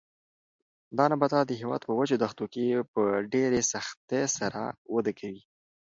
دا نباتات د هېواد په وچو دښتو کې په ډېر سختۍ سره وده کوي.